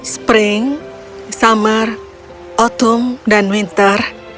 spring summer otum dan winter